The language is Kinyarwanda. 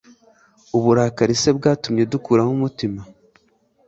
uburakari se bwatumye idukuraho umutima